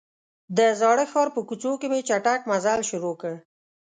د زاړه ښار په کوڅو کې مې چټک مزل شروع کړ.